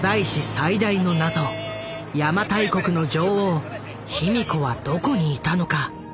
最大の謎邪馬台国の女王卑弥呼はどこにいたのか。